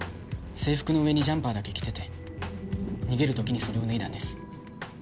制服の上にジャンパーだけ着てて逃げる時にそれを脱いだんです。